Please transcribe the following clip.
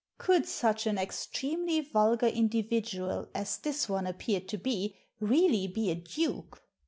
Could such an extremely vulgar individual as this one appeared to be really be a duke?